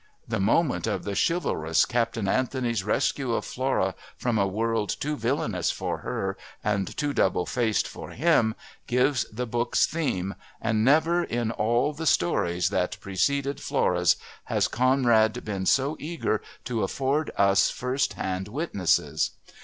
The moment of the chivalrous Captain Anthony's rescue of Flora from a world too villainous for her and too double faced for him gives the book's theme, and never in all the stories that preceded Flora's has Conrad been so eager to afford us first hand witnesses.